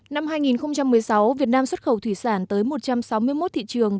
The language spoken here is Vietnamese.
năm hai nghìn một mươi sáu việt nam xuất khẩu thủy sản tới một trăm sáu mươi một thị trường